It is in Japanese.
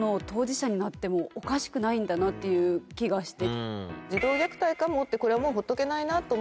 っていう気がして。